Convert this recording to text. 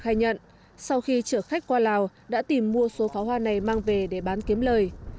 khai nhận sau khi chở khách qua lào đã tìm mua số pháo hoa này mang về để bán kiếm lời